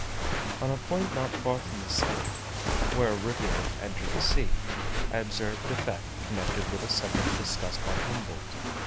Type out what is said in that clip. On a point not far from the city, where a rivulet entered the sea, I observed a fact connected with a subject discussed by Humboldt.